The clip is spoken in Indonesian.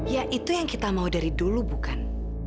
ya itu yang kita mau dari dulu bukan